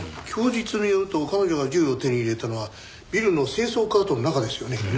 供述によると彼女が銃を手に入れたのはビルの清掃カートの中ですよね。